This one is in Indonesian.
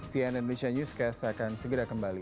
cnn indonesia newscast akan segera kembali